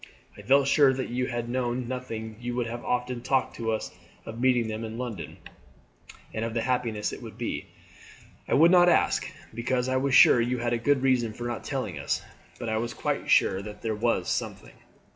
I felt sure that had you known nothing you would have often talked to us of meeting them in London, and of the happiness it would be. I would not ask, because I was sure you had a good reason for not telling us; but I was quite sure that there was something."